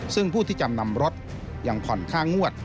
ซึ่งผู้ที่จำนำรถยังผ่อนค่างวด